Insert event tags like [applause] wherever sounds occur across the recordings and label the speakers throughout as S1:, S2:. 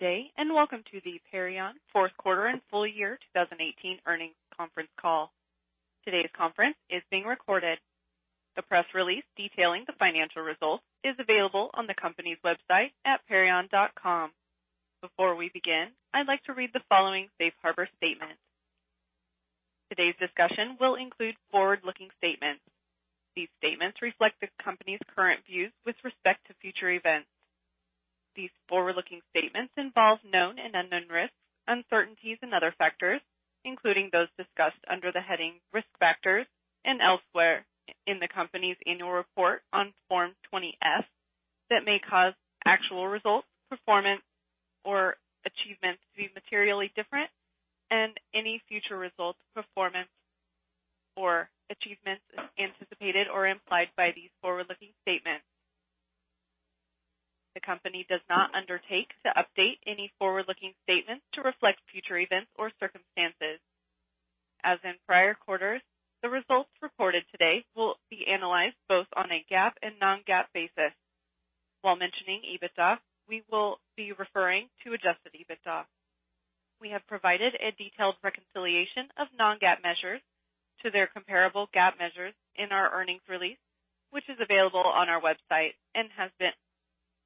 S1: Good day, and welcome to the Perion Fourth Quarter and Full Year 2018 Earnings Conference Call. Today's conference is being recorded. The press release detailing the financial results is available on the company's website at perion.com. Before we begin, I'd like to read the following safe harbor statement. Today's discussion will include forward-looking statements. These statements reflect the company's current views with respect to future events. These forward-looking statements involve known and unknown risks, uncertainties, and other factors, including those discussed under the heading Risk Factors and elsewhere in the company's annual report on Form 20-F that may cause actual results, performance, or achievements to be materially different, and any future results, performance, or achievements anticipated or implied by these forward-looking statements. The company does not undertake to update any forward-looking statements to reflect future events or circumstances. As in prior quarters, the results reported today will be analyzed both on a GAAP and non-GAAP basis. While mentioning EBITDA, we will be referring to adjusted EBITDA. We have provided a detailed reconciliation of non-GAAP measures to their comparable GAAP measures in our earnings release, which is available on our website and has been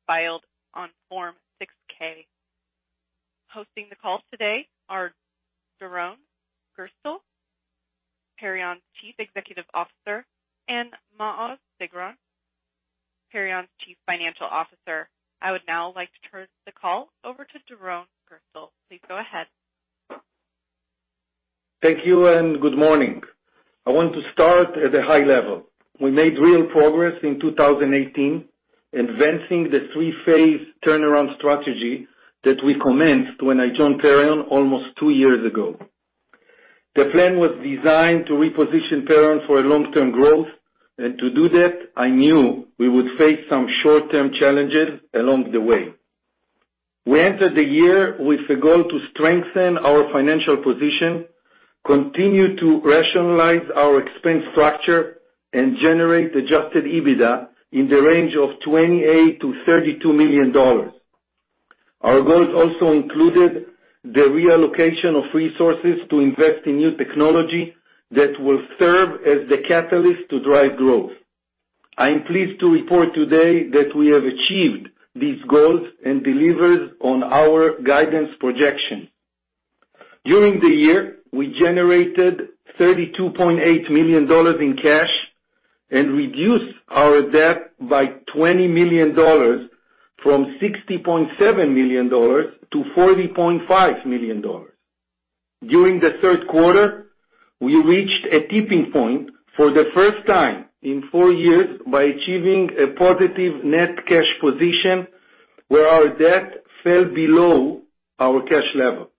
S1: filed on Form 6-K. Hosting the call today are Doron Gerstel, Perion's Chief Executive Officer, and Maoz Sigron, Perion's Chief Financial Officer. I would now like to turn the call over to Doron Gerstel. Please go ahead.
S2: Thank you. Good morning. I want to start at a high level. We made real progress in 2018 advancing the three-phase turnaround strategy that we commenced when I joined Perion almost two years ago. The plan was designed to reposition Perion for long-term growth. To do that, I knew we would face some short-term challenges along the way. We entered the year with a goal to strengthen our financial position, continue to rationalize our expense structure, and generate adjusted EBITDA in the range of $28 million-$32 million. Our goals also included the reallocation of resources to invest in new technology that will serve as the catalyst to drive growth. I am pleased to report today that we have achieved these goals and delivered on our guidance projection. During the year, we generated $32.8 million in cash and reduced our debt by $20 million from $60.7 million to $40.5 million. During the third quarter, we reached a tipping point for the first time in four years by achieving a positive net cash position where our debt fell below our cash level.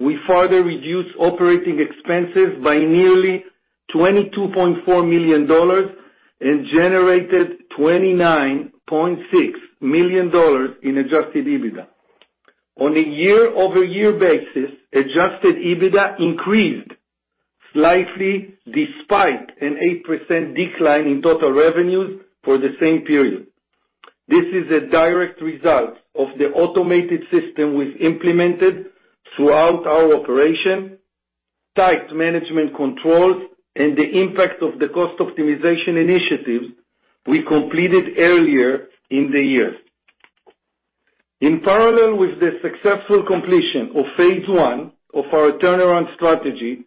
S2: We further reduced operating expenses by nearly $22.4 million and generated $29.6 million in adjusted EBITDA. On a year-over-year basis, adjusted EBITDA increased slightly despite an 8% decline in total revenues for the same period. This is a direct result of the automated system we've implemented throughout our operation, tight management controls, and the impact of the cost optimization initiatives we completed earlier in the year. In parallel with the successful completion of phase I of our turnaround strategy,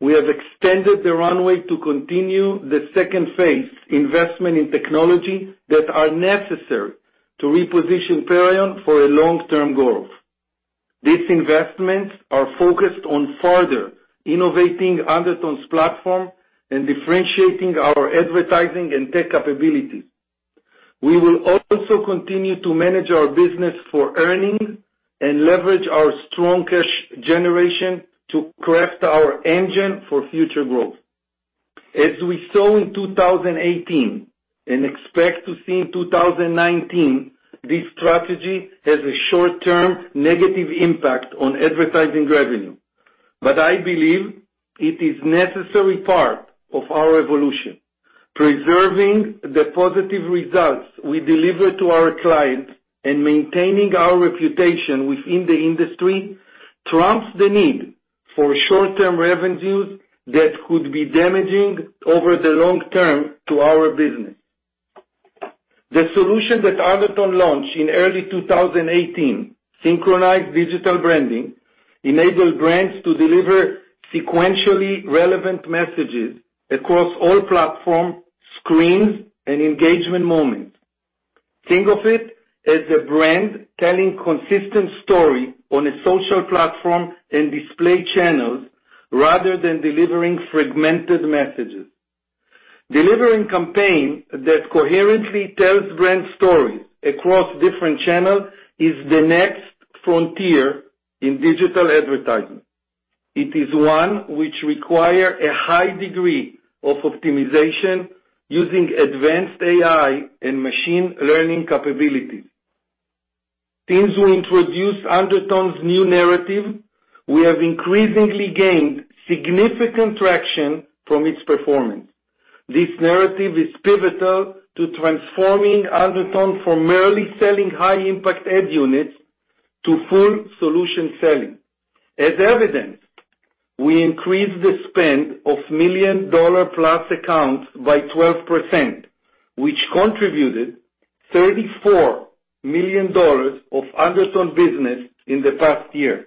S2: we have extended the runway to continue the second-phase investment in technology that are necessary to reposition Perion for a long-term goal. These investments are focused on further innovating Undertone's platform and differentiating our advertising and tech capabilities. We will also continue to manage our business for earnings and leverage our strong cash generation to craft our engine for future growth. As we saw in 2018 and expect to see in 2019, this strategy has a short-term negative impact on advertising revenue. I believe it is necessary part of our evolution. Preserving the positive results we deliver to our clients and maintaining our reputation within the industry trumps the need for short-term revenues that could be damaging over the long term to our business. The solution that Undertone launched in early 2018, Synchronized Digital Branding, enabled brands to deliver sequentially relevant messages across all platform screens and engagement moments. Think of it as a brand telling consistent story on a social platform and display channels rather than delivering fragmented messages. Delivering campaign that coherently tells brand stories across different channels is the next frontier in digital advertising. It is one which require a high degree of optimization using advanced AI and machine learning capabilities. Since we introduced Undertone's new narrative, we have increasingly gained significant traction from its performance. This narrative is pivotal to transforming Undertone from merely selling high-impact ad units to full solution selling. As evidenced, we increased the spend of million dollar plus accounts by 12%, which contributed $34 million of Undertone business in the past year.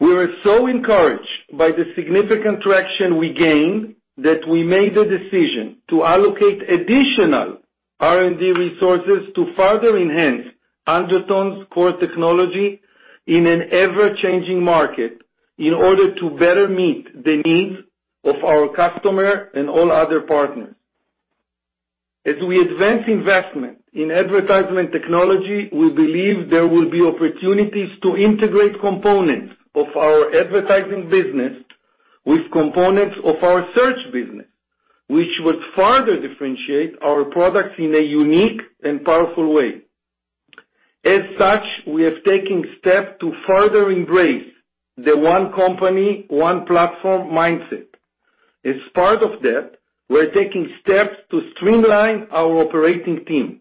S2: We were so encouraged by the significant traction we gained that we made the decision to allocate additional R&D resources to further enhance Undertone's core technology in an ever-changing market in order to better meet the needs of our customer and all other partners. As we advance investment in advertisement technology, we believe there will be opportunities to integrate components of our advertising business with components of our search business, which would further differentiate our products in a unique and powerful way. As such, we are taking steps to further embrace the one company, one platform mindset. As part of that, we're taking steps to streamline our operating team.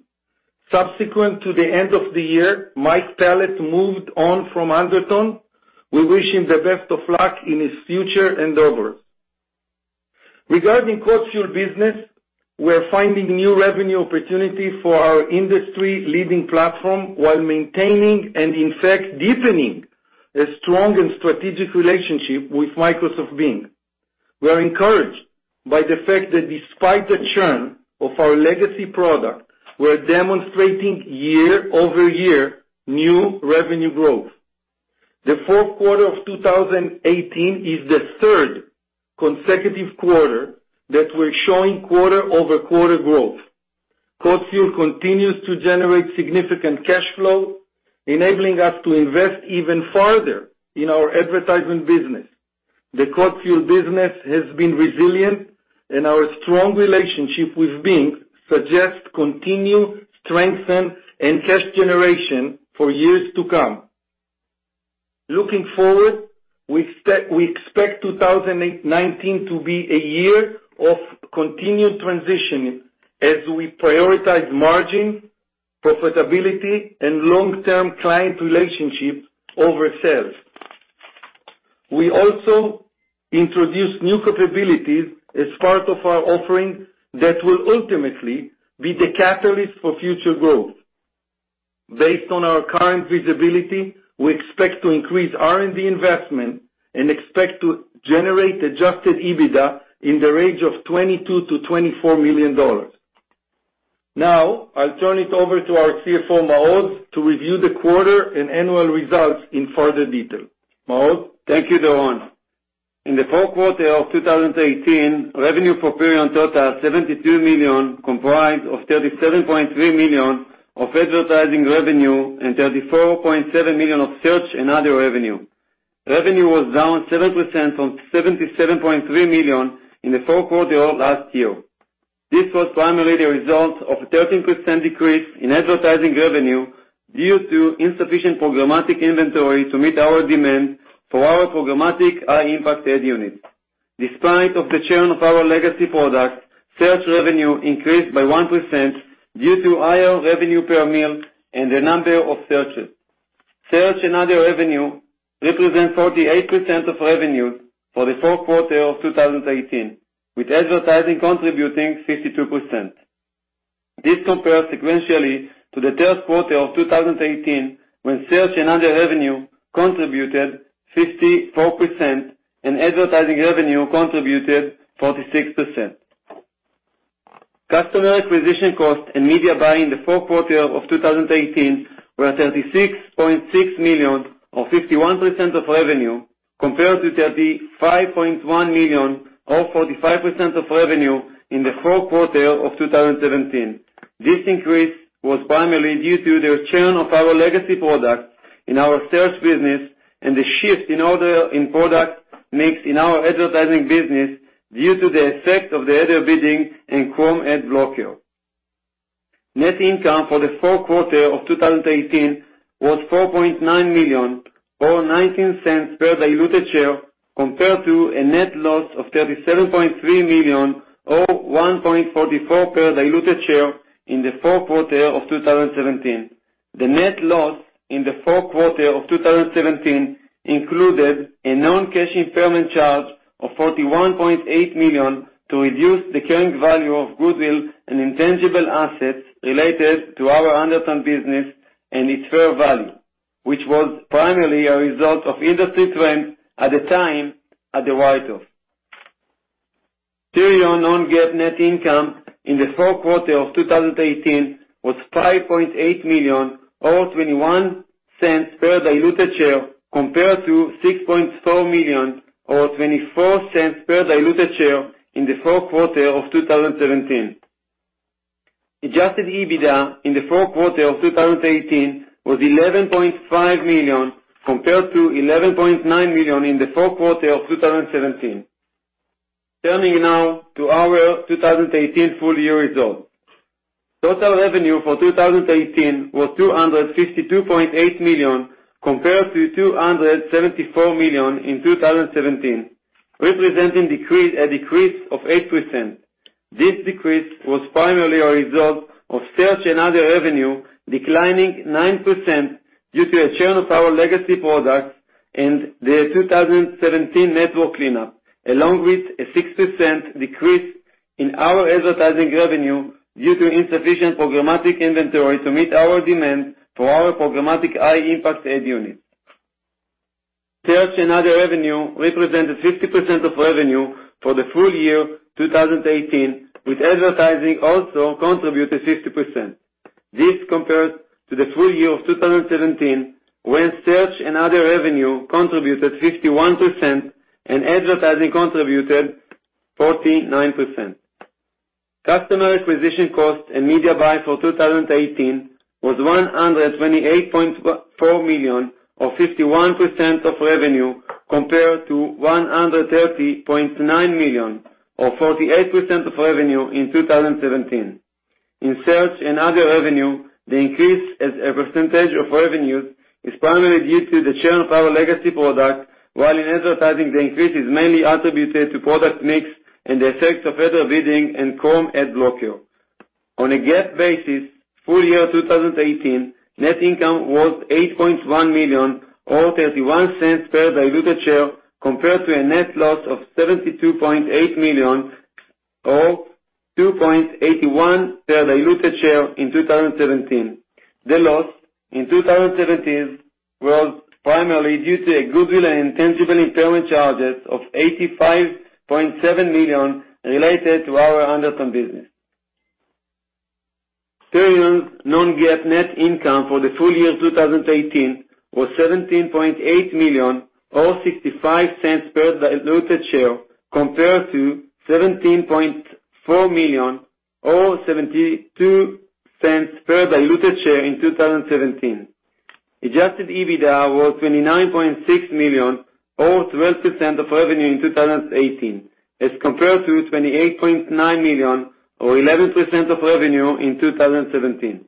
S2: Subsequent to the end of the year, Mike Pallad moved on from Undertone. We wish him the best of luck in his future endeavors. Regarding CodeFuel business, we're finding new revenue opportunity for our industry-leading platform while maintaining, and in fact, deepening a strong and strategic relationship with Microsoft Bing. We are encouraged by the fact that despite the churn of our legacy product, we're demonstrating year-over-year new revenue growth. The fourth quarter of 2018 is the third consecutive quarter that we're showing quarter-over-quarter growth. CodeFuel continues to generate significant cash flow, enabling us to invest even further in our advertising business. The CodeFuel business has been resilient, and our strong relationship with Bing suggests continued strengthen and cash generation for years to come. Looking forward, we expect 2019 to be a year of continued transitioning as we prioritize margin, profitability, and long-term client relationships over sales. We also introduced new capabilities as part of our offering that will ultimately be the catalyst for future growth. Based on our current visibility, we expect to increase R&D investment and expect to generate adjusted EBITDA in the range of $22 million to $24 million. Now, I'll turn it over to our CFO, Maoz, to review the quarter and annual results in further detail. Maoz?
S3: Thank you, Doron. In the fourth quarter of 2018, revenue for Perion total, $72 million, comprised of $37.3 million of advertising revenue and $34.7 million of search and other revenue. Revenue was down 7% from $77.3 million in the fourth quarter last year. This was primarily the result of a 13% decrease in advertising revenue due to insufficient programmatic inventory to meet our demand for our programmatic high-impact ad units. Despite of the churn of our legacy products, search revenue increased by 1% due to higher revenue per CPM and the number of searches. Search and other revenue represents 48% of revenues for the fourth quarter of 2018, with advertising contributing 52%. This compares sequentially to the third quarter of 2018, when search and other revenue contributed 54% and advertising revenue contributed 46%. Customer acquisition cost and media buy in the fourth quarter of 2018 were $36.6 million or 51% of revenue, compared to $35.1 million or 45% of revenue in the fourth quarter of 2017. This increase was primarily due to the churn of our legacy products in our sales business and the shift in product mix in our advertising business due to the effect of the header bidding and Chrome ad blocker. Net income for the fourth quarter of 2018 was $4.9 million or $0.19 per diluted share compared to a net loss of $37.3 million or $1.44 per diluted share in the fourth quarter of 2017. The net loss in the fourth quarter of 2017 included a non-cash impairment charge of $41.8 million to reduce the current value of goodwill and intangible assets related to our Undertone business and its fair value, which was primarily a result of industry trend at the time at the write-off. Perion non-GAAP net income in the fourth quarter of 2018 was $5.8 million or $0.21 per diluted share compared to $6.4 million or $0.24 per diluted share in the fourth quarter of 2017. Adjusted EBITDA in the fourth quarter of 2018 was $11.5 million compared to $11.9 million in the fourth quarter of 2017. Turning now to our 2018 full-year results. Total revenue for 2018 was $252.8 million compared to $274 million in 2017, representing a decrease of 8%. This decrease was primarily a result of search and other revenue declining 9% due to a churn of our legacy products and the 2017 network cleanup, along with a 6% decrease in our advertising revenue due to insufficient programmatic inventory to meet our demand for our programmatic high-impact ad units. Search and other revenue represented 50% of revenue for the full year 2018, with advertising also contributed 50%. This compares to the full year of 2017, when search and other revenue contributed 51% and advertising contributed 49%. Customer acquisition cost and media buy for 2018 was $128.4 million, or 51% of revenue, compared to $130.9 million, or 48% of revenue in 2017. In search and other revenue, the increase as a percentage of revenue is primarily due to the churn of our legacy product, while in advertising, the increase is mainly attributed to product mix and the effects of better bidding and Chrome ad blocker. On a GAAP basis, full-year 2018 net income was $8.1 million, or $0.31 per diluted share, compared to a net loss of $72.8 million or $2.81 per diluted share in 2017. The loss in 2017 was primarily due to a goodwill and intangible impairment charges of $85.7 million related to our Undertone business. Perion's non-GAAP net income for the full year 2018 was $17.8 million, or $0.65 per diluted share, compared to $17.4 million or $0.72 per diluted share in 2017. Adjusted EBITDA was $29.6 million or 12% of revenue in 2018 as compared to $28.9 million or 11% of revenue in 2017.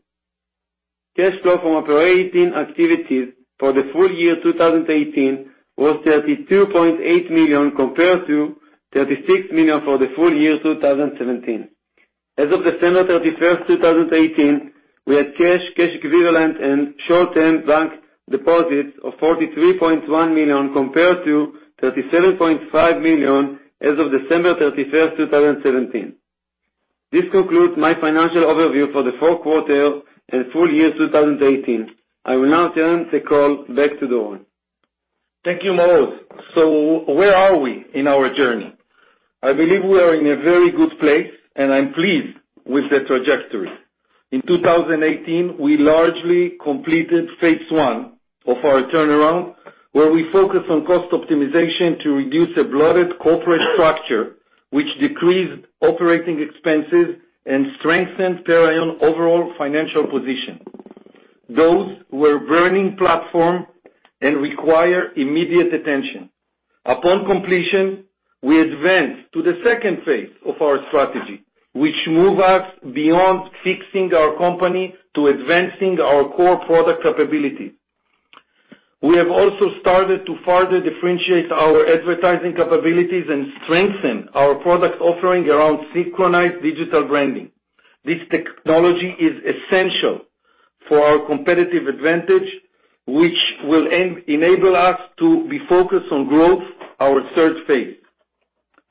S3: Cash flow from operating activities for the full year 2018 was $32.8 million compared to $36 million for the full year 2017. As of December 31st, 2018, we had cash equivalent, and short-term bank deposits of $43.1 million, compared to $37.5 million as of December 31st, 2017. This concludes my financial overview for the fourth quarter and full year 2018. I will now turn the call back to Doron.
S2: Thank you, Maoz. Where are we in our journey? I believe we are in a very good place, and I'm pleased with the trajectory. In 2018, we largely completed phase I of our turnaround, where we focused on cost optimization to reduce a bloated corporate structure, which decreased operating expenses and strengthened Perion overall financial position. Those were burning platform and require immediate attention. Upon completion, we advanced to the second phase of our strategy, which move us beyond fixing our company to advancing our core product capability. We have also started to further differentiate our advertising capabilities and strengthen our product offering around Synchronized Digital Branding. This technology is essential for our competitive advantage, which will enable us to be focused on growth, our third phase.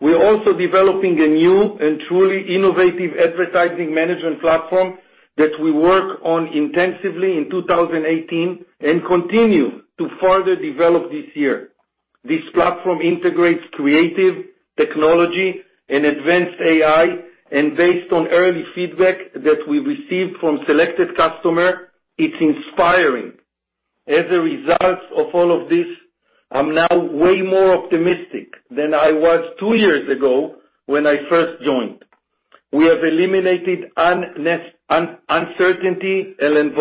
S2: We're also developing a new and truly innovative advertising management platform that we worked on intensively in 2018 and continue to further develop this year. This platform integrates creative technology and advanced AI, and based on early feedback that we received from selected customer, it's inspiring. As a result of all of this, I'm now way more optimistic than I was two years ago when I first joined. We have eliminated uncertainty and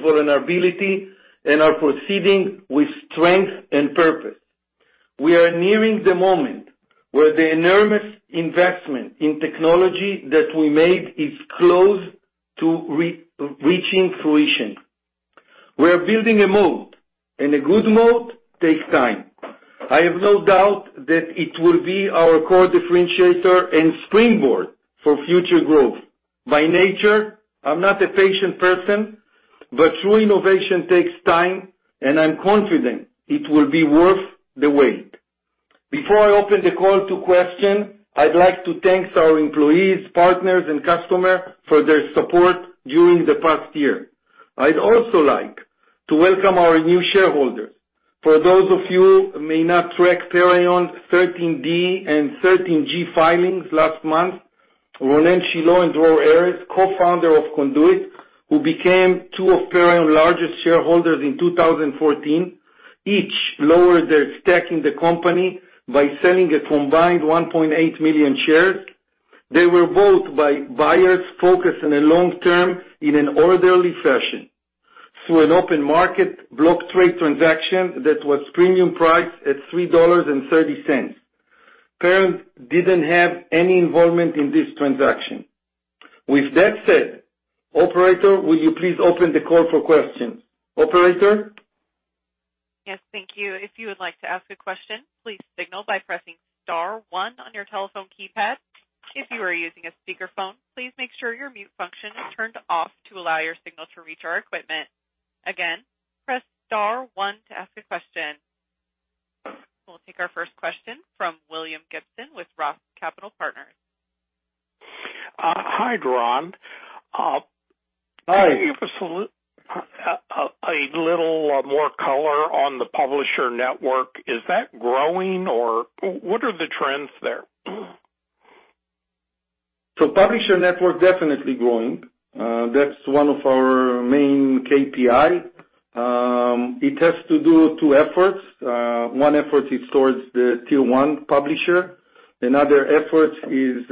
S2: vulnerability and are proceeding with strength and purpose. We are nearing the moment where the enormous investment in technology that we made is close to reaching fruition. We are building a moat, and a good moat takes time. I have no doubt that it will be our core differentiator and springboard for future growth. By nature, I'm not a patient person. True innovation takes time, and I'm confident it will be worth the wait. Before I open the call to question, I'd like to thank our employees, partners, and customers for their support during the past year. I'd also like to welcome our new shareholders. For those of you who may not track Perion 13D and 13G filings last month, Ronen Shilo and Dror Erez, Co-founder of Conduit, who became two of Perion largest shareholders in 2014, each lowered their stake in the company by selling a combined 1.8 million shares. They were bought by buyers focused in the long term in an orderly fashion through an open market block trade transaction that was premium priced at $3.30. Perion didn't have any involvement in this transaction. With that said, operator, will you please open the call for questions? Operator?
S1: Yes, thank you. If you would like to ask a question, please signal by pressing star one on your telephone keypad. If you are using a speakerphone, please make sure your mute function is turned off to allow your signal to reach our equipment. Again, press star one to ask a question. We'll take our first question from William Gibson with ROTH Capital Partners.
S4: Hi, Doron.
S2: Hi.
S4: Can you give us a little more color on the Publisher Network. Is that growing or what are the trends there?
S2: Publisher Network definitely growing. That's one of our main KPI. It has to do two efforts. One effort is towards the tier one publisher. Another effort is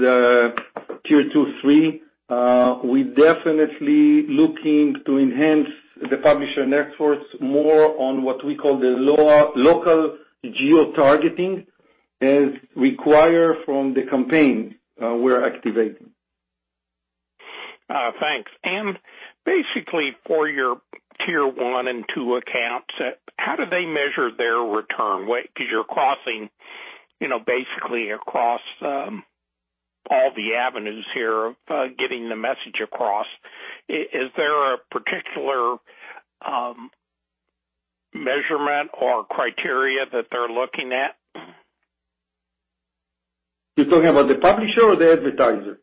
S2: tier two, three. We're definitely looking to enhance the Publisher Network more on what we call the local geo-targeting, as required from the campaign we're activating.
S4: Thanks. Basically for your tier one and two accounts, how do they measure their return? Because you're basically across all the avenues here, getting the message across. Is there a particular measurement or criteria that they're looking at?
S2: You're talking about the publisher or the advertiser?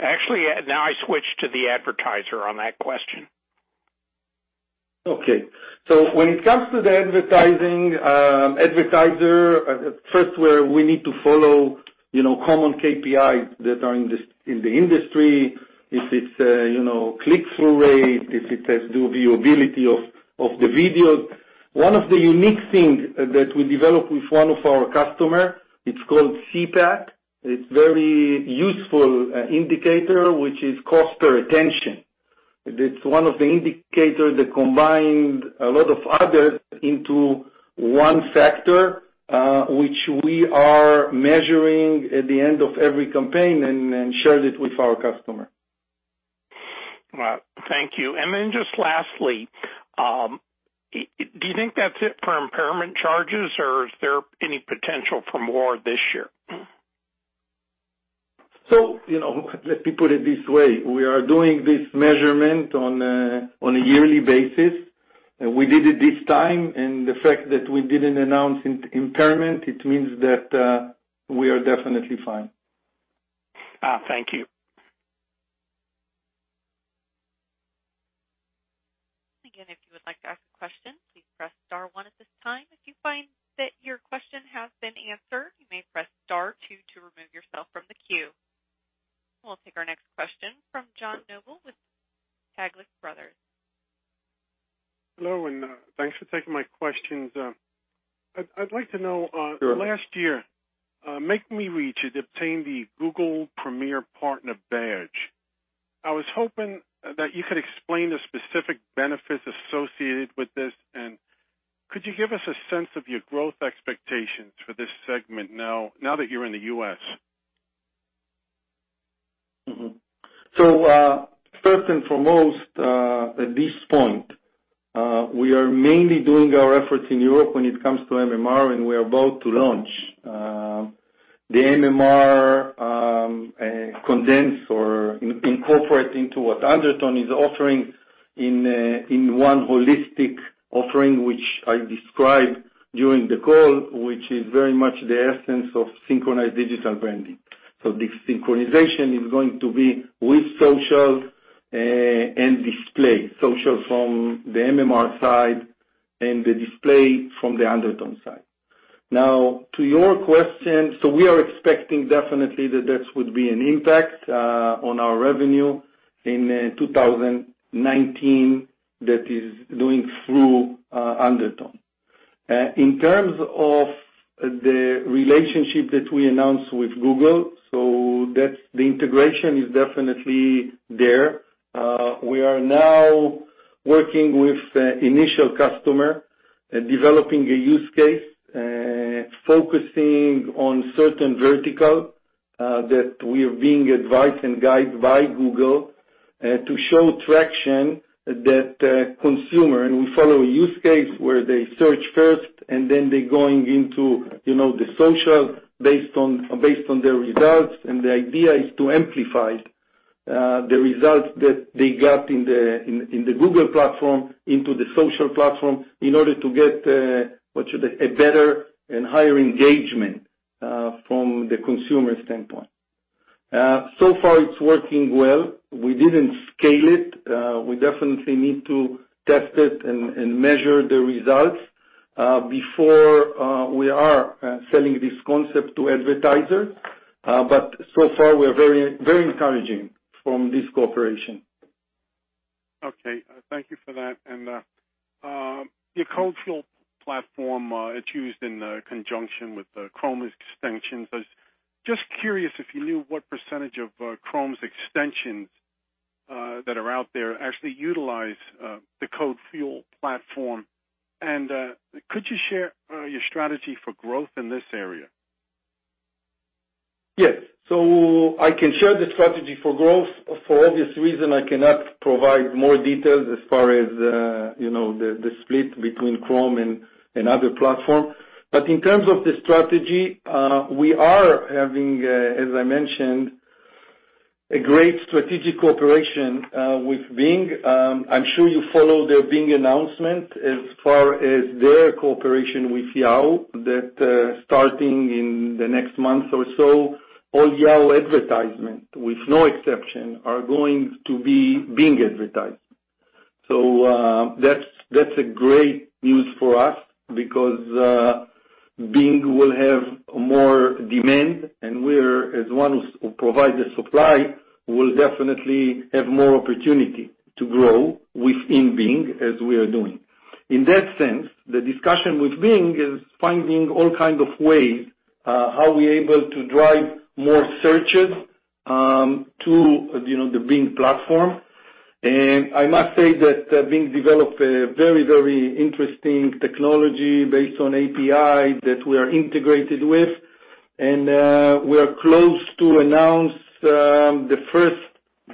S4: Actually, now I switch to the advertiser on that question.
S2: Okay. When it comes to the advertising, advertiser, first, we need to follow common KPIs that are in the industry. If it's click-through rate, if it has doability of the video. One of the unique things that we developed with one of our customer, it's called CPAC. It's very useful indicator, which is cost per attention. That's one of the indicators that combined a lot of others into one factor, which we are measuring at the end of every campaign and share it with our customer.
S4: Thank you. Just lastly, do you think that's it for impairment charges or is there any potential for more this year?
S2: Let me put it this way. We are doing this measurement on a yearly basis, and we did it this time, and the fact that we didn't announce impairment, it means that we are definitely fine.
S4: Thank you.
S1: Again, if you would like to ask a question, please press star one at this time. If you find that your question has been answered, you may press star two to remove yourself from the queue. We'll take our next question from Juan Noble with Taglich Brothers.
S5: Hello, thanks for taking my questions.
S2: Sure.
S5: I'd like to know, last year, MakeMeReach had obtained the Google Premier Partner badge. I was hoping that you could explain the specific benefits associated with this, and could you give us a sense of your growth expectations for this segment now that you're in the U.S.?
S2: First and foremost, at this point, we are mainly doing our efforts in Europe when it comes to MMR, and we are about to launch. The MMR condense or incorporate into what Undertone is offering in one holistic offering, which I described during the call, which is very much the essence of Synchronized Digital Branding. This synchronization is going to be with social and display. Social from the MMR side and the display from the Undertone side. To your question, we are expecting definitely that this would be an impact on our revenue in 2019 that is doing through Undertone. In terms of the relationship that we announced with Google, the integration is definitely there. Okay. Thank you for that. We are now working with initial customer, developing a use case, focusing on certain vertical, that we are being advised and guide by Google to show traction that consumer, and we follow a use case where they search first and then they're going into the social based on their results, and the idea is to amplify the results that they got in the Google platform into the social platform in order to get a better and higher engagement from the consumer standpoint. Far it's working well. We didn't scale it. We definitely need to test it and measure the results before we are selling this concept to advertisers. So far, we're very encouraging from this cooperation.
S5: Okay. Thank you for that. Your CodeFuel platform, it's used in conjunction with the Chrome extensions. I was just curious if you knew what percentage of Chrome's extensions that are out there actually utilize the CodeFuel platform. Could you share your strategy for growth in this area?
S2: Yes. I can share the strategy for growth. For obvious reason, I cannot provide more details as far as the split between Chrome and other platforms. In terms of the strategy, we are having, as I mentioned, a great strategic cooperation with Bing. I'm sure you follow the Bing announcement as far as their cooperation with Yahoo, that starting in the next month or so, all Yahoo advertisement, with no exception, are going to be Bing advertising. That's a great news for us because Bing will have more demand, and we're, as ones who provide the supply, will definitely have more opportunity to grow within Bing as we are doing. In that sense, the discussion with Bing is finding all kind of ways how we able to drive more searches to the Bing platform. I must say that Bing developed a very interesting technology based on API that we are integrated with. We are close to announce the first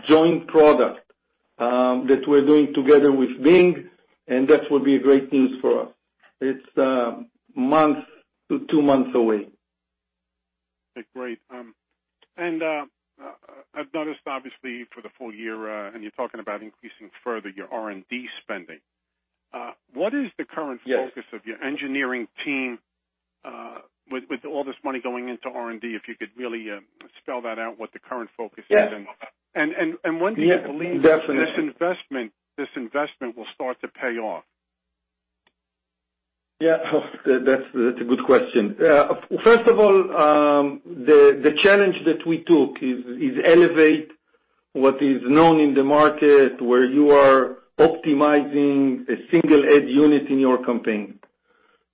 S2: joint product that we're doing together with Bing, and that will be great news for us. It's a month to two months away.
S5: Great. I've noticed, obviously, for the full year, you're talking about increasing further your R&D spending. What is the current focus-
S2: Yes
S5: of your engineering team with all this money going into R&D? If you could really spell that out, what the current focus is.
S2: Yes.
S5: When do you believe this investment will start to pay off?
S2: Yeah. That's a good question. First of all, the challenge that we took is elevate what is known in the market, where you are optimizing a single ad unit in your campaign.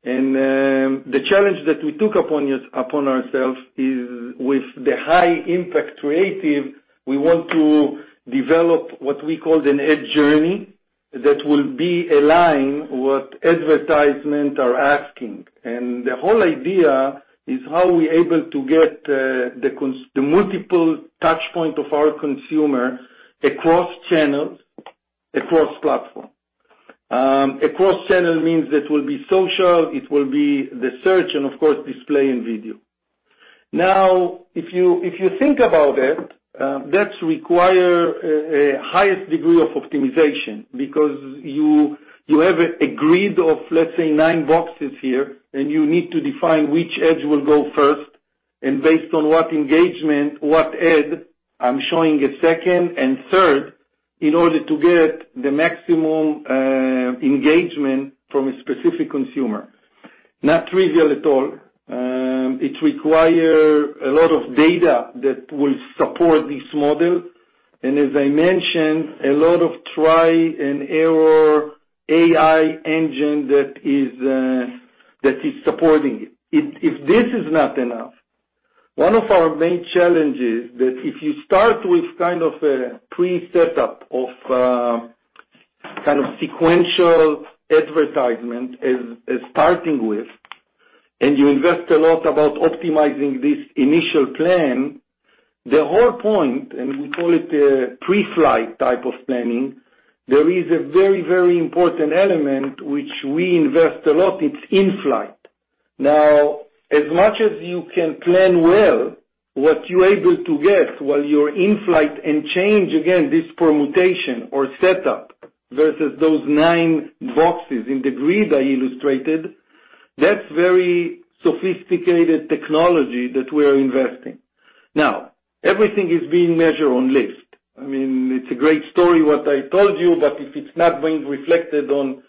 S2: The challenge that we took upon ourselves is with the high-impact creative, we want to develop what we call an ad journey that will be aligned what advertisement are asking. The whole idea is how we able to get the multiple touchpoint of our consumer across channels, across platform. Across channel means it will be social, it will be the search, and of course, display and video. If you think about it, that require highest degree of optimization because you have a grid of, let's say, nine boxes here, and you need to define which ads will go first, and based on what engagement, what ad I'm showing at second and third in order to get the maximum engagement from a specific consumer. Not trivial at all. It require a lot of data that will support this model. As I mentioned, a lot of try and error AI engine that is supporting it. If this is not enough, one of our main challenges that if you start with kind of a pre-setup of kind of sequential advertisement as starting with, and you invest a lot about optimizing this initial plan, the whole point, and we call it a pre-flight type of planning, there is a very important element which we invest a lot, it's in-flight. As much as you can plan well, what you're able to get while you're in-flight and change again this permutation or setup versus those nine boxes in the grid I illustrated, that's very sophisticated technology that we're investing. Everything is being measured on list. I mean, it's a great story what I told you, but if it's not being reflected on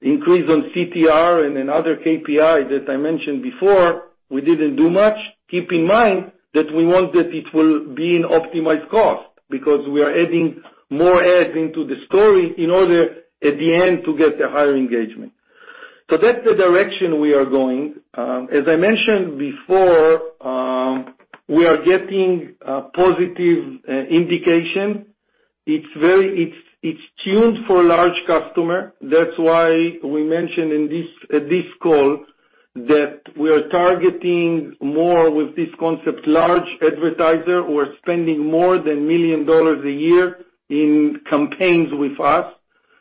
S2: increase on CTR and in other KPI that I mentioned before, we didn't do much. Keep in mind that we want that it will be an optimized cost because we are adding more ads into the story in order, at the end, to get a higher engagement. That's the direction we are going. As I mentioned before, we are getting a positive indication. It's tuned for large customer. That's why we mentioned at this call that we are targeting more with this concept large advertiser who are spending more than $1 million a year in campaigns with us.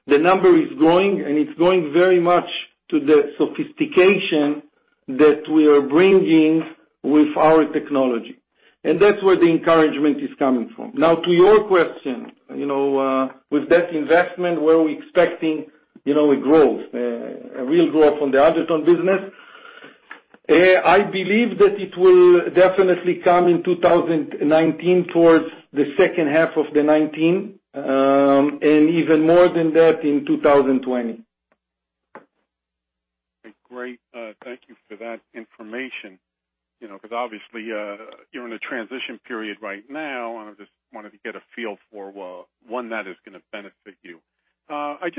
S2: The number is growing, and it's growing very much to the sophistication that we are bringing with our technology. That's where the encouragement is coming from. To your question, with that investment, were we expecting a growth, a real growth on the Undertone business? I believe that it will definitely come in 2019, towards the second half of 2019, and even more than that in 2020.
S5: Great. Thank you for that information. Obviously, you're in a transition period right now. I just wanted to get a feel for, one, that is going to benefit you. Oh, I'm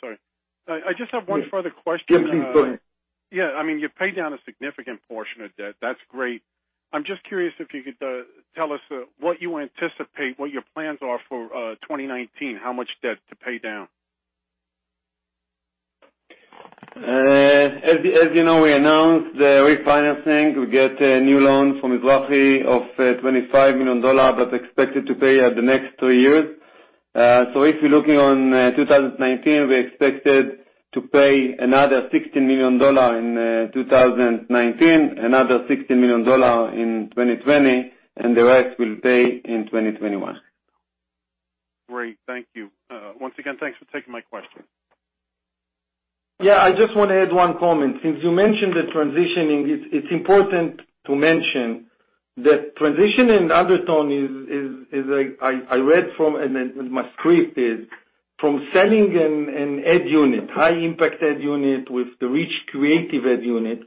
S5: sorry. I just have one further question.
S2: Yes, please. Go ahead.
S5: Yeah. You paid down a significant portion of debt. That's great. I'm just curious if you could tell us what you anticipate, what your plans are for 2019, how much debt to pay down?
S3: As you know, we announced the refinancing. We get a new loan from Mizrahi of $25 million, but expected to pay at the next three years. If you're looking on 2019, we expected to pay another $60 million in 2019, another $60 million in 2020, the rest we'll pay in 2021.
S5: Great. Thank you. Once again, thanks for taking my question.
S2: Yeah. I just want to add one comment. Since you mentioned the transitioning, it's important to mention that transition in Undertone is, I read from my script, is from selling an ad unit, high-impact ad unit with the reach creative ad unit,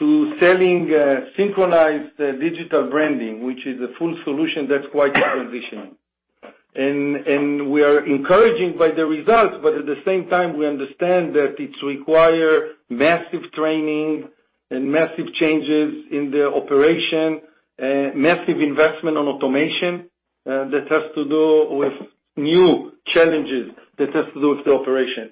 S2: to selling Synchronized Digital Branding, which is a full solution that's quite a transition. We are encouraged by the results, but at the same time, we understand that it require massive training and massive changes in the operation, massive investment on automation that has to do with new challenges, that has to do with the operation.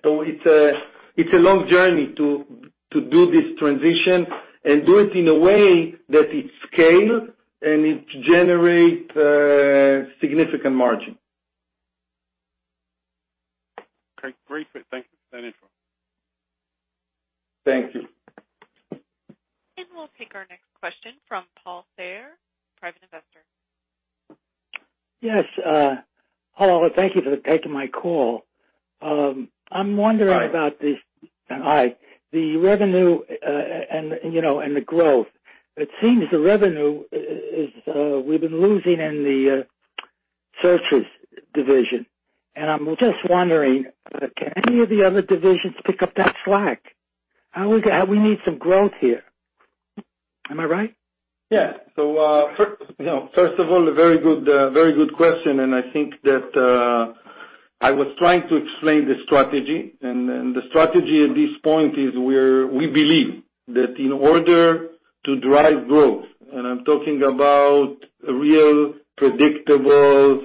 S2: It's a long journey to do this transition and do it in a way that it scale and it generate significant margin.
S5: Great. Thank you for that info.
S2: Thank you.
S1: We'll take our next question from Paul Thayer, private investor.
S6: Yes. Hello, thank you for taking my call. I'm wondering about-
S2: Hi.
S6: Hi. The revenue, and the growth. It seems the revenue, we've been losing in the searches division, and I'm just wondering, can any of the other divisions pick up that slack? We need some growth here. Am I right?
S2: Yeah. First of all, a very good question, and I think that I was trying to explain the strategy, and the strategy at this point is we believe that in order to drive growth, and I'm talking about real, predictable,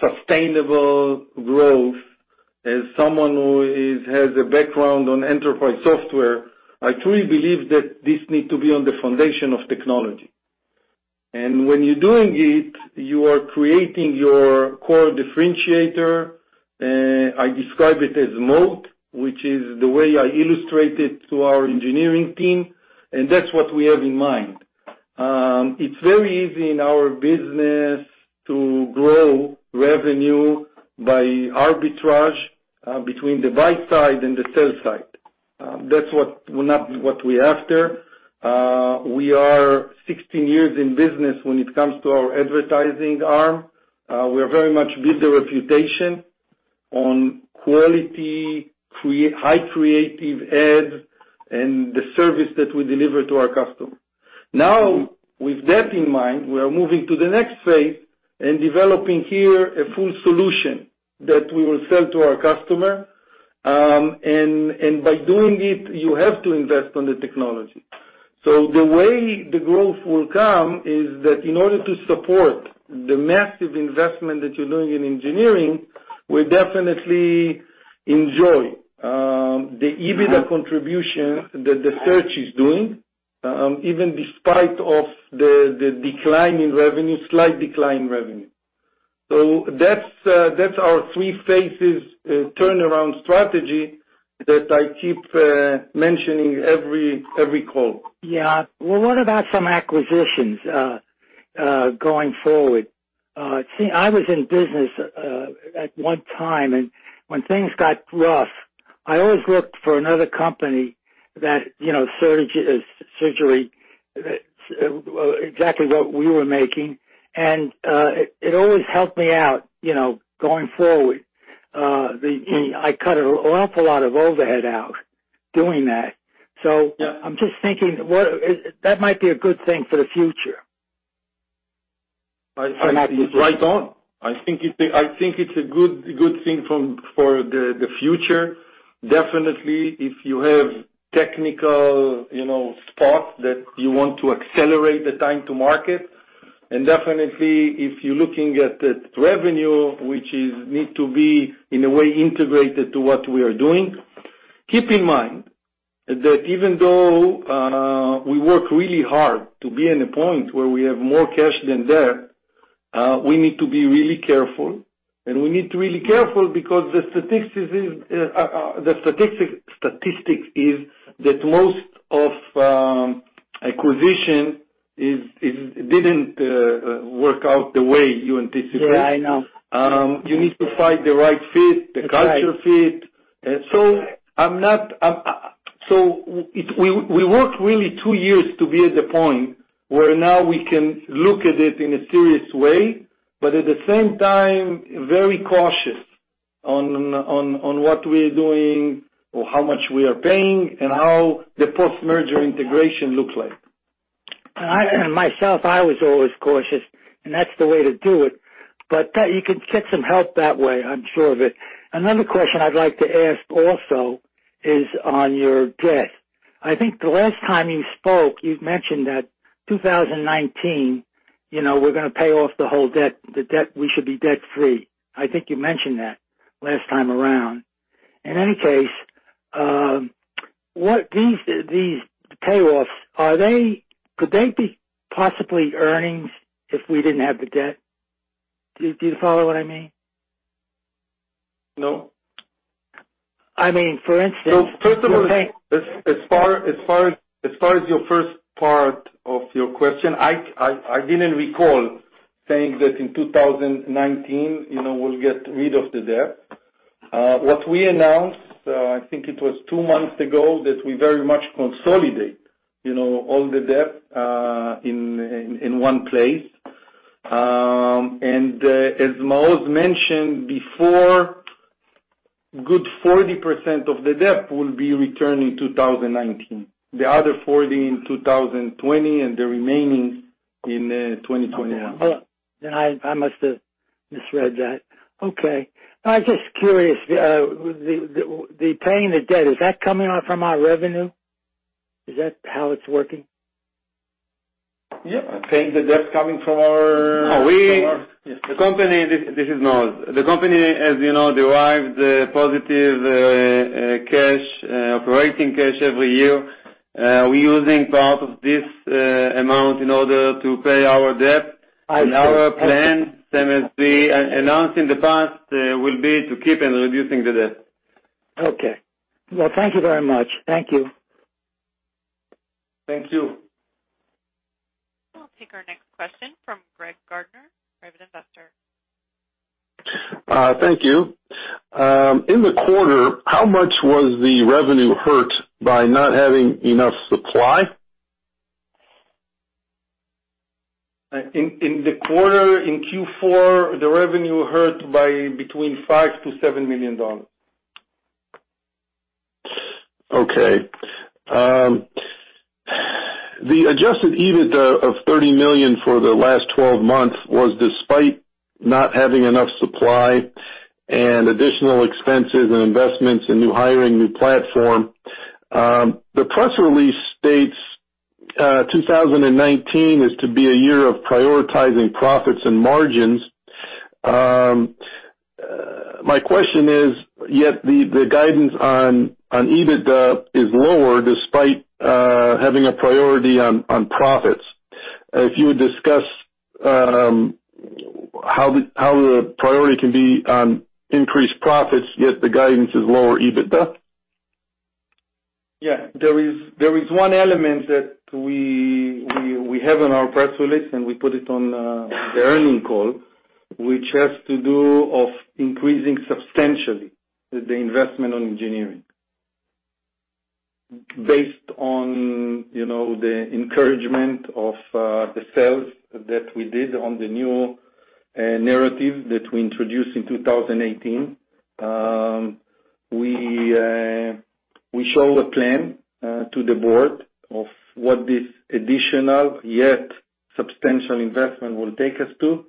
S2: sustainable growth, as someone who has a background on enterprise software, I truly believe that this need to be on the foundation of technology. When you're doing it, you are creating your core differentiator, I describe it as moat, which is the way I illustrate it to our engineering team, and that's what we have in mind. It's very easy in our business to grow revenue by arbitrage between the buy side and the sell side. That's not what we're after. We are 16 years in business when it comes to our advertising arm. We are very much build the reputation on quality, high creative ads, and the service that we deliver to our customer. Now, with that in mind, we are moving to the next phase and developing here a full solution that we will sell to our customer. By doing it, you have to invest on the technology. The way the growth will come is that in order to support the massive investment that you're doing in engineering, we definitely enjoy the EBITDA contribution that the search is doing, even despite of the decline in revenue, slight decline in revenue. That's our three phases turnaround strategy that I keep mentioning every call.
S6: Yeah. Well, what about some acquisitions going forward? See, I was in business at one time, and when things got rough, I always looked for another company that served exactly what we were making. It always helped me out going forward. I cut an awful lot of overhead out doing that.
S2: Yeah
S6: I'm just thinking that might be a good thing for the future. An acquisition.
S2: You're right on. I think it's a good thing for the future. Definitely, if you have technical spots that you want to accelerate the time to market, definitely, if you're looking at the revenue, which is need to be, in a way, integrated to what we are doing. Keep in mind, that even though we work really hard to be in a point where we have more cash than debt, we need to be really careful, and we need to really careful because the statistic is that most of acquisition didn't work out the way you anticipated.
S6: Yeah, I know.
S2: You need to find the right fit.
S6: That's right.
S2: the culture fit.
S6: Right.
S2: We worked really two years to be at the point where now we can look at it in a serious way, but at the same time, very cautious on what we're doing or how much we are paying and how the post-merger integration looks like.
S6: Myself, I was always cautious, and that's the way to do it. You can get some help that way, I'm sure of it. Another question I'd like to ask also is on your debt. I think the last time you spoke, you mentioned that 2019, we're going to pay off the whole debt. We should be debt-free. I think you mentioned that last time around. In any case, these payoffs, could they be possibly earnings if we didn't have the debt? Do you follow what I mean?
S2: No.
S6: I mean.
S2: First of all, as far as your first part of your question, I didn't recall saying that in 2019, we'll get rid of the debt. What we announced, I think it was two months ago, that we very much consolidate all the debt in one place. As Maoz mentioned before, a good 40% of the debt will be returned in 2019, the other 40% in 2020, and the remaining in 2021.
S6: I must have misread that. Okay. I was just curious, the paying the debt, is that coming from our revenue? Is that how it's working?
S2: Yeah. Paying the debt coming from.
S3: This is Maoz. The company, as you know, derives positive operating cash every year. We're using part of this amount in order to pay our debt.
S6: I see.
S3: Our plan, same as we announced in the past, will be to keep on reducing the debt.
S6: Okay. Well, thank you very much. Thank you.
S2: Thank you.
S1: We'll take our next question from Greg Gardner, private investor.
S7: Thank you. In the quarter, how much was the revenue hurt by not having enough supply?
S2: In the quarter, in Q4, the revenue hurt by between $5 million-$7 million.
S7: Okay. The adjusted EBITDA of $30 million for the last 12 months was despite not having enough supply and additional expenses and investments in new hiring, new platform. The press release states 2019 is to be a year of prioritizing profits and margins. My question is, yet the guidance on EBITDA is lower despite having a priority on profits. If you would discuss how the priority can be on increased profits, yet the guidance is lower EBITDA.
S2: Yeah. There is one element that we have in our press release, and we put it on the earning call, which has to do of increasing substantially the investment on engineering. Based on the encouragement of the sales that we did on the new narrative that we introduced in 2018, we show a plan to the board of what this additional, yet substantial investment will take us to,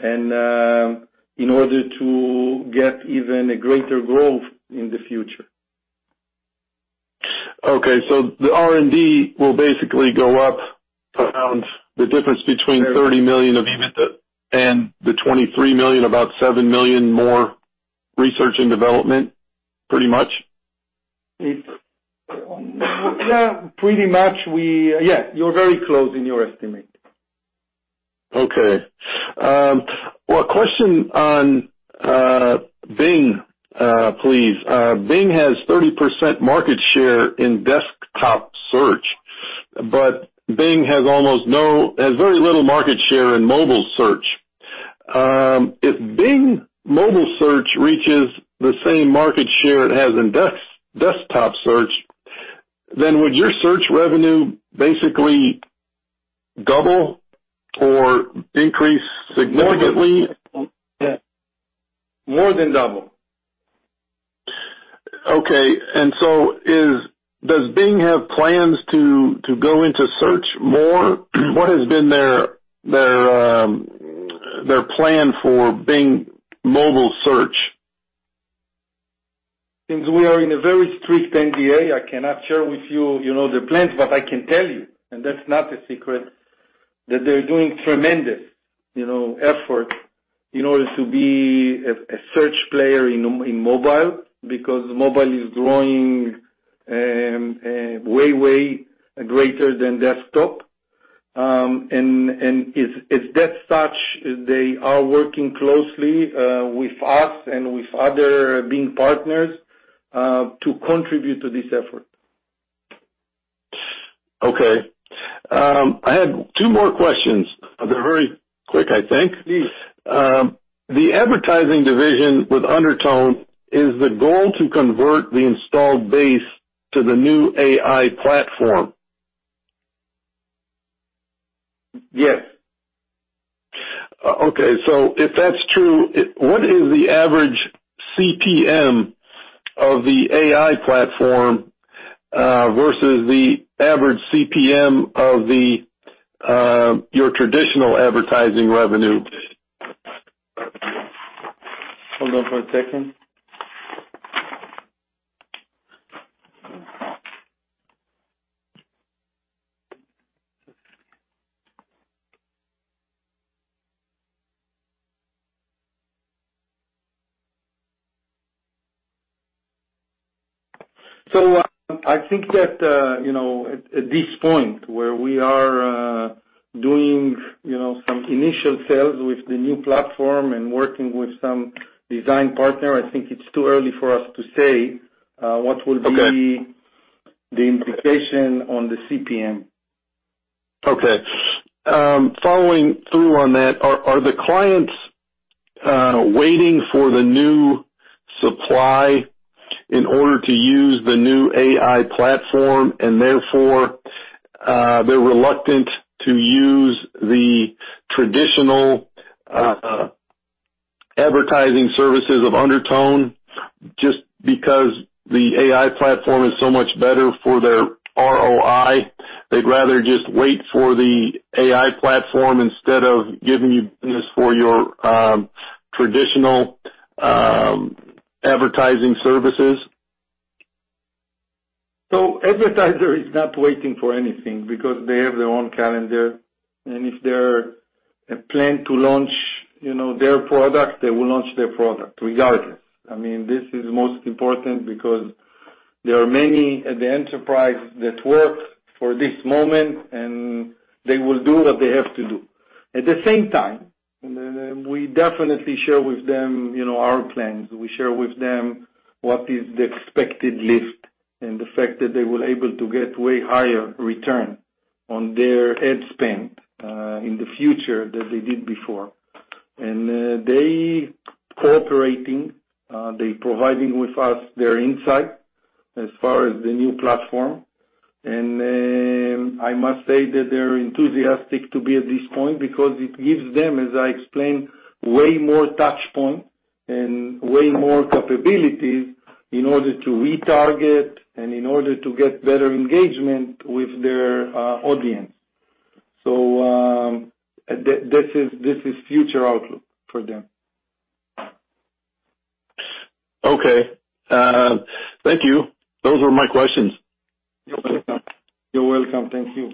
S2: and in order to get even a greater growth in the future.
S7: Okay. The R&D will basically go up around the difference between $30 million of EBITDA and the $23 million, about $7 million more research and development, pretty much?
S2: Yeah, pretty much. You're very close in your estimate.
S7: Okay. Well, a question on Bing, please. Bing has 30% market share in desktop search, but Bing has very little market share in mobile search. If Bing mobile search reaches the same market share it has in desktop search, would your search revenue basically double or increase significantly?
S2: More than double. Yeah. More than double.
S7: Okay. Does Bing have plans to go into search more? What has been their plan for Bing mobile search?
S2: Since we are in a very strict NDA, I cannot share with you the plans, but I can tell you, and that's not a secret, that they're doing tremendous effort in order to be a search player in mobile, because mobile is growing way greater than desktop. As that such, they are working closely with us and with other Bing partners to contribute to this effort.
S7: Okay. I have two more questions. They're very quick, I think.
S2: Please.
S7: The advertising division with Undertone, is the goal to convert the installed base to the new AI platform?
S2: Yes.
S7: Okay. If that's true, what is the average CPM of the AI platform, versus the average CPM of your traditional advertising revenue?
S2: Hold on for a second. I think that at this point where we are doing some initial sales with the new platform and working with some design partner, I think it's too early for us to say what will be.
S7: Okay
S2: The implication on the CPM.
S7: Okay. Following through on that, are the clients waiting for the new supply in order to use the new AI platform, and therefore, they're reluctant to use the traditional advertising services of Undertone, just because the AI platform is so much better for their ROI? They'd rather just wait for the AI platform instead of giving you business for your traditional advertising services.
S2: Advertiser is not waiting for anything because they have their own calendar, if they plan to launch their product, they will launch their product regardless. This is most important because there are many at the enterprise that work for this moment, they will do what they have to do. At the same time, we definitely share with them our plans. We share with them what is the expected lift and the fact that they will able to get way higher return on their ad spend, in the future than they did before. They cooperating, they providing with us their insight as far as the new platform. I must say that they're enthusiastic to be at this point because it gives them, as I explained, way more touch points and way more capabilities in order to retarget and in order to get better engagement with their audience. This is future outlook for them.
S7: Okay. Thank you. Those were my questions.
S2: You're welcome. Thank you.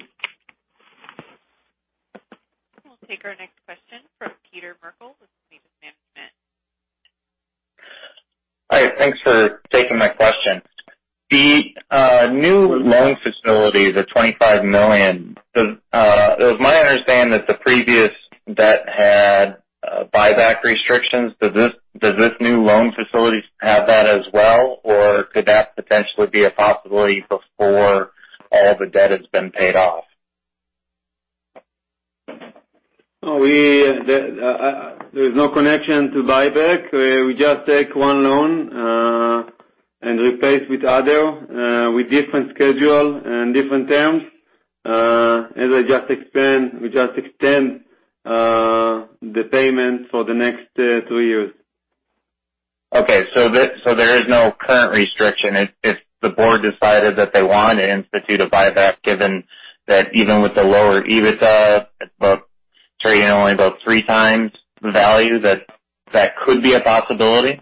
S1: We'll take our next question from Peter Merkle with. [inaudible]
S8: Hi. Thanks for taking my question. The new loan facility, the $25 million, it was my understanding that the previous debt had buyback restrictions. Does this new loan facilities have that as well, or could that potentially be a possibility before all the debt has been paid off?
S2: There's no connection to buyback. We just take one loan, replace with other, with different schedule and different terms. As I just explained, we just extend the payments for the next two years.
S8: Okay. There is no current restriction. If the board decided that they want to institute a buyback, given that even with the lower EBITDA, it's about trading only about three times the value, that that could be a possibility?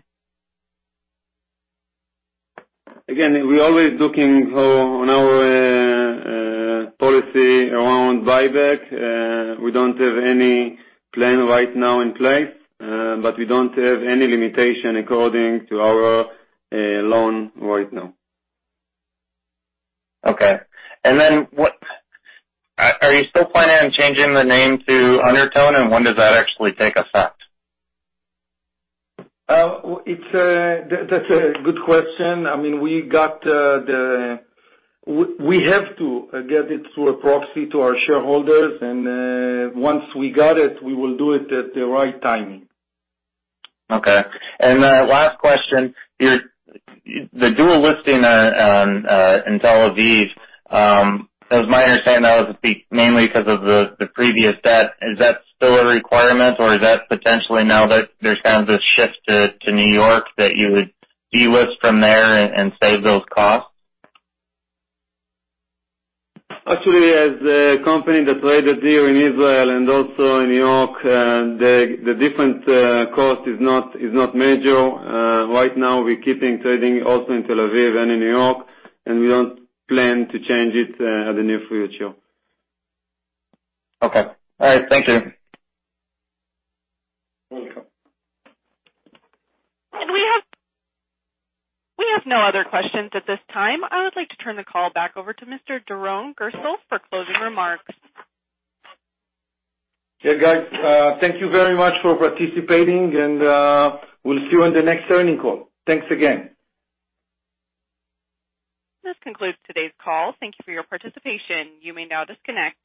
S2: Again, we're always looking for on our policy around buyback. We don't have any plan right now in place, but we don't have any limitation according to our loan right now.
S8: Okay. Then, are you still planning on changing the name to Undertone? When does that actually take effect?
S2: That's a good question. We have to get it through a proxy to our shareholders, and, once we got it, we will do it at the right timing.
S8: Okay. Last question, the dual listing in Tel Aviv, it was my understanding that was mainly because of the previous debt. Is that still a requirement, or is that potentially now that there's kind of this shift to New York that you would delist from there and save those costs?
S2: Actually, as a company that's rated here in Israel and also in New York, the different cost is not major. Right now, we're keeping trading also in Tel Aviv and in New York. We don't plan to change it at the near future.
S8: Okay. All right. Thank you.
S2: Welcome.
S1: We have no other questions at this time. I would like to turn the call back over to Mr. Doron Gerstel for closing remarks.
S2: Yeah, guys, thank you very much for participating. We'll see you on the next earning call. Thanks again.
S1: This concludes today's call. Thank you for your participation. You may now disconnect.